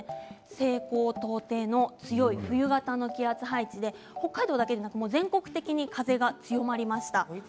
西高東低の強い冬型の気圧配置で北海道だけでなく全国的に風が強まりました。